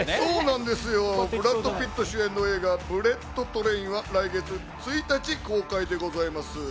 ブラッド・ピット主演の映画『ブレット・トレイン』は来月１日公開でございます。